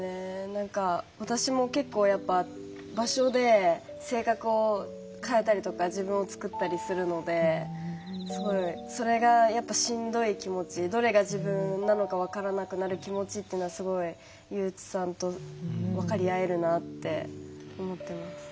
何か私も結構場所で性格を変えたりとか自分を作ったりするのですごいそれがしんどい気持ちどれが自分なのか分からなくなる気持ちってのはすごい憂鬱さんと分かり合えるなって思ってます。